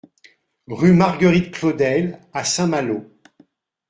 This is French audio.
Rue Marguerite Claudel à Saint-Malo